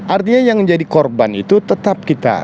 artinya yang menjadi korban itu tetap kita